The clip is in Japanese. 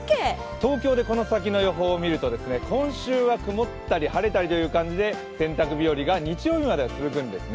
東京でこの先の予報を見ると今週は晴れたり曇ったりということで洗濯日和が日曜日までは続くんですね。